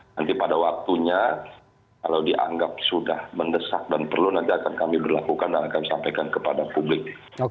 nanti pada waktunya kalau dianggap sudah mendesak dan perlu nanti akan kami berlakukan dan akan sampaikan kepada publik